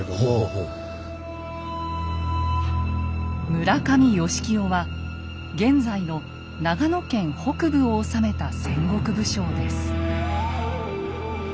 村上義清は現在の長野県北部を治めた戦国武将です。